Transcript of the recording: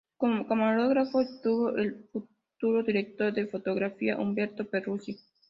Como camarógrafo estuvo el futuro director de fotografía Humberto Peruzzi.